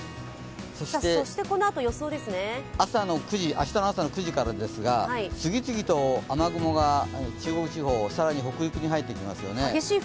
明日の朝の９時からですが、次々と雨雲が中国地方、更には北陸に入ってきますよね。